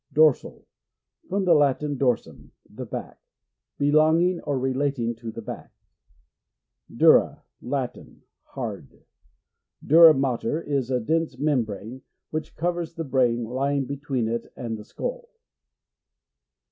Dorsal. — From the Latin, dorsum, the back. Belonging or relating to the back. Dura. — Latin. Hard. Dura mater is a dense membrane, which covers the brain, lying between it and the skull.